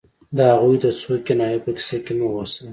د هغوی د څو کنایو په کیسه کې مه اوسه